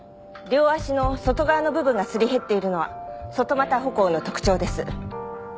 両足の外側の部分がすり減っているのは外股歩行の特徴です。